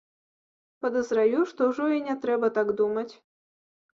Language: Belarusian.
Падазраю, што ўжо і не трэба так думаць.